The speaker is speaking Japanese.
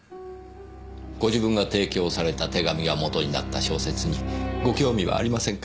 ご自分が提供された手紙が元になった小説にご興味はありませんか？